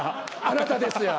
「あなたです」や。